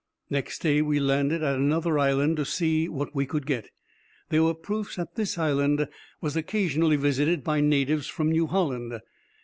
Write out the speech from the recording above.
Next day we landed at another island, to see what we could get. There were proofs that the island was occasionally visited by natives from New Holland.